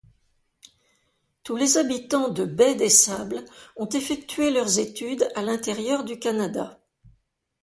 Tous les habitants de Baie-des-Sables ont effectué leurs études à l'intérieur du Canada.